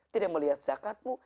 tidak melihat zakatmu